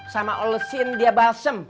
sama olesin dia balsem